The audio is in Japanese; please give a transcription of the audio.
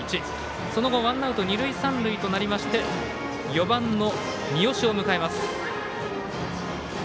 その後、ワンアウト二塁三塁となりまして４番の三好を迎えます。